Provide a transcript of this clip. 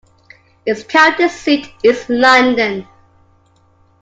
Its county seat is London.